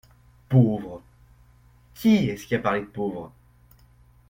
Pauvre !… qui est-ce qui a parlé de pauvre ?